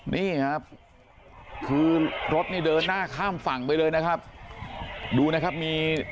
นี่ครับคือรถนี่เดินหน้าข้ามฝั่งไปเลยนะครับดูนะครับมี